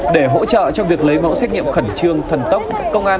để hỗ trợ cho việc lấy mẫu xét nghiệm khẩn trương thần tốc